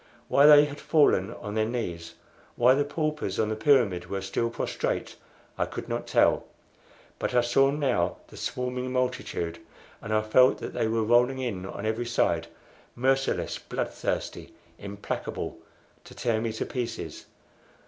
Why they had fallen on their knees, why the paupers on the pyramid were still prostrate, I could not tell; but I saw now the swarming multitude, and I felt that they were rolling in on every side merciless, blood thirsty, implacable to tear me to pieces.